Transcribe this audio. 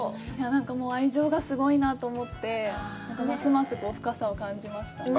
なんか、愛情がすごいなぁと思って、ますます深さを感じましたね。